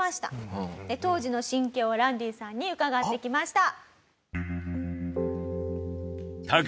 当時の心境をランディさんに伺ってきました。